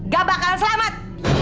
gak bakalan selamat